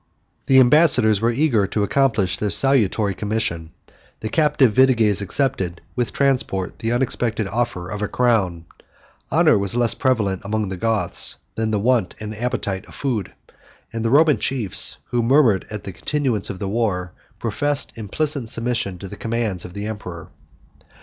The ambassadors were eager to accomplish their salutary commission; the captive Vitiges accepted, with transport, the unexpected offer of a crown; honor was less prevalent among the Goths, than the want and appetite of food; and the Roman chiefs, who murmured at the continuance of the war, professed implicit submission to the commands of the emperor.